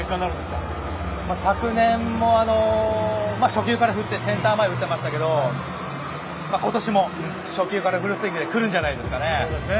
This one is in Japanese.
昨年も初球から振ってセンター前に打ってましたけど今年も初球からフルスイングで来るんじゃないですかね。